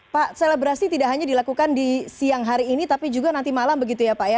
pak selebrasi tidak hanya dilakukan di siang hari ini tapi juga nanti malam begitu ya pak ya